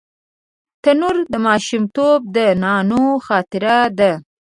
تنور د ماشومتوب د نانو خاطره ده